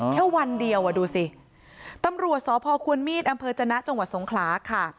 แค่วันเดียวอะดูสิตำรวจศพมีดอจนสงขลาค่ะ